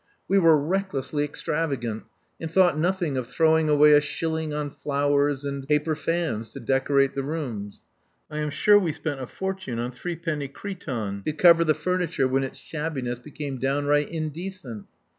We were recklessly extravagant, and thought nothing of throwing away a shilling on flowers and paper fans to decorate the rooms. I am sure we spent a fortune on three penny cretonne, to cover the furniture when its shabbiness became downright indecent.